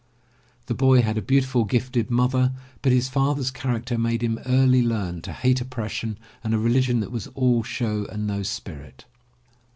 The boy had a beautiful, gifted mother, but his father's character made him early learn to hate oppression and a religion that was all show and no spirit.